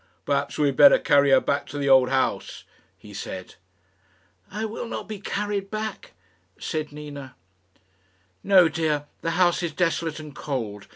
"Perhaps we had better carry her back to the old house," he said. "I will not be carried back," said Nina. "No, dear; the house is desolate and cold.